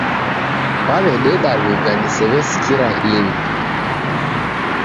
Kwaw'ededa lugha nisew'esikira ini